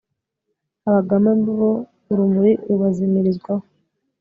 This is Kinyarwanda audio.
abagome bo, urumuri rubazimirizwaho